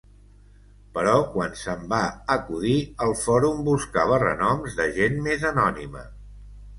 Però quan se'm va acudir el fòrum buscava renoms de gent més anònima.